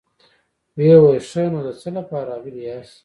ويې ويل: ښه نو، د څه له پاره راغلي ياست؟